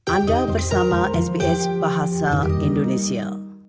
anda bersama sbs bahasa indonesia